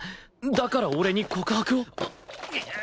だから俺に告白を？